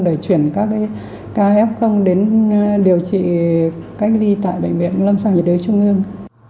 để chuyển các ca f đến điều trị cách ly tại bệnh viện lâm sang nhiệt đới trung ương